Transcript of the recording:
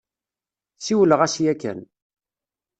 Siwleɣ-as yakan.